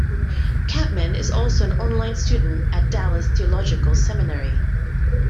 Kampman is also an online student at Dallas Theological Seminary.